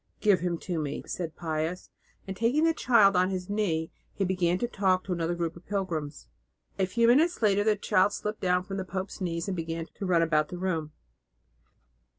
"Give him to me," said Pius; and taking the child on his knee, he began to talk to another group of pilgrims. A few minutes later the child slipped down from the pope's knee and began to run about the room.